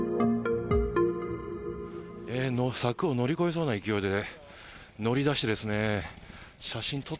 柵を乗り越えそうな勢いで乗り出して写真撮って。